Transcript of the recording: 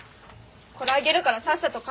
これあげるからさっさと帰って。